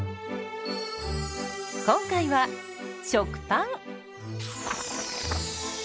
今回は食パン。